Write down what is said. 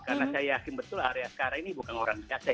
karena saya yakin betul area sekarang ini bukan orang siasat